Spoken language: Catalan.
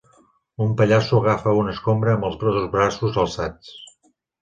Un pallasso agafa una escombra amb els dos braços alçats